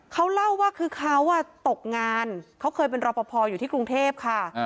เขาเล่าว่าคือเขาตกงานเขาเคยเป็นรอปภอยู่ที่กรุงเทพค่ะ